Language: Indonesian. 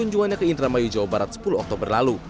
jawa barat sepuluh oktober lalu